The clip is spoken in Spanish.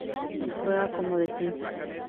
Juega como Defensa.